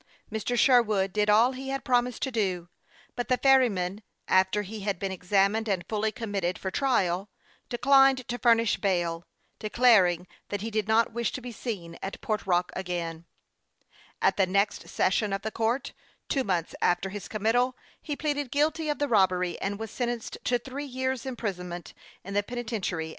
Mr. Sherwood did all he had promised to do ; but the ferryman, after he had been examined and fully committed for trial, declined to furnish bail, de claring that he did not wish to be seen at Port Rock again. At the next session of the court, two months after his committal, he pleaded guilty of the robbery, as he had declared beforehand that he should do, and was sentenced to three years' im prisonment in the penitentiary at Sing Sing.